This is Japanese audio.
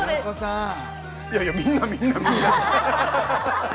いやいやみんなみんなみんな！